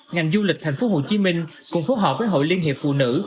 ngành du lịch thành phố hồ chí minh cùng phối hợp với hội liên hiệp phụ nữ